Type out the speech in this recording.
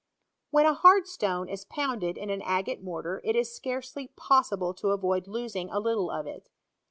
When a hard stone is pounded in an agate mortar it is scarcely possible to avoid losing a little of it.